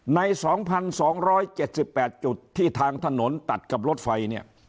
ใน๒๒๗๘จุดที่ทางถนนตัดกับรถไฟเนี่ย